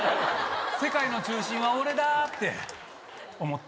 世界の中心は俺だーって、思った。